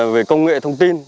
về công nghệ thông tin